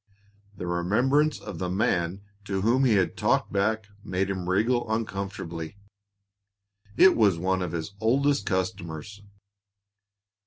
The remembrance of the man to whom he had talked back made him wriggle uncomfortably; it was one of his oldest customers.